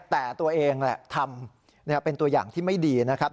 แต่ตัวเองทำเป็นตัวอย่างที่ไม่ดีนะครับ